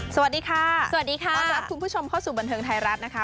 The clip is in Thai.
สวัสดีค่ะสวัสดีค่ะต้อนรับคุณผู้ชมเข้าสู่บันเทิงไทยรัฐนะคะ